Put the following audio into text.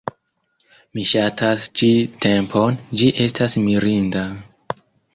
Mi ŝatas ĉi tempon, ĝi estas mirinda...